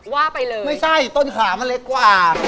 ไม่ใช่ต้นขามันเล็กกว่า